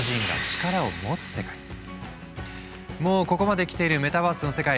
まさにもうここまできているメタバースの世界。